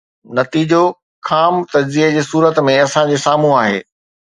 نتيجو خام تجزيي جي صورت ۾ اسان جي سامهون آهي.